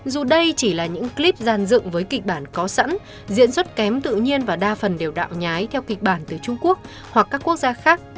dù đây chỉ là những clip gian dựng với kịch bản có sẵn diễn xuất kém tự nhiên và đa phần đều đạo nhái theo kịch bản từ trung quốc hoặc các quốc gia khác